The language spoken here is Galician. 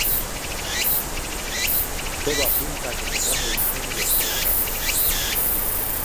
Todo apunta a que se trata de incendios provocados.